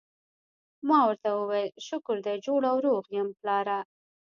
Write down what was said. ما ورته وویل: شکر دی جوړ او روغ یم، پلاره.